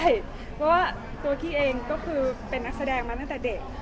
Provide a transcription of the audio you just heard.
เพราะว่าตัวกี้เองก็คือเป็นนักแสดงมาตั้งแต่เด็ก